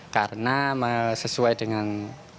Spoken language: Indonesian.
karena sesuai dengan ketentuan